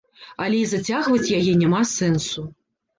Але і зацягваць яе няма сэнсу.